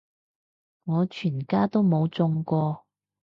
我全家都冇中過